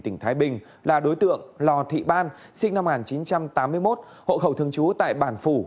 tỉnh thái bình là đối tượng lò thị ban sinh năm một nghìn chín trăm tám mươi một hộ khẩu thường trú tại bản phủ